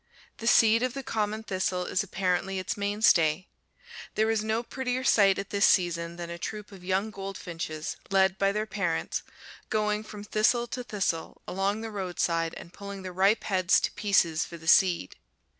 The seed of the common thistle is apparently its mainstay. There is no prettier sight at this season than a troop of young goldfinches, led by their parents, going from thistle to thistle along the roadside and pulling the ripe heads to pieces for the seed.